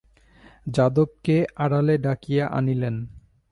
যাদবকে আড়ালে ডাকিয়া আনিলেন।